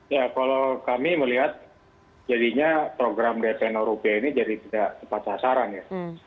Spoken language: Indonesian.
ya kalau kami melihat jadinya program dp rupiah ini jadi tidak tepat sasaran ya